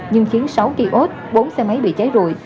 nhưng khiến sáu kì ốt bốn xe máy bị cháy rụi